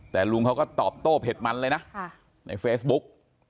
แต่ลุงเขาก็ตอบโต้เผ็ดมันเลยนะในเฟซบุ๊ก